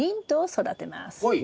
はい。